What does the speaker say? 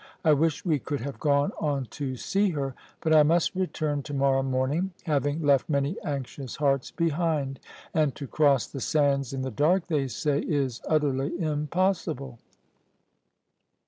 I wish we could have gone on to see her; but I must return to morrow morning, having left many anxious hearts behind. And to cross the sands in the dark, they say, is utterly impossible."